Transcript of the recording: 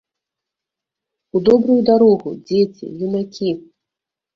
У добрую дарогу, дзеці, юнакі!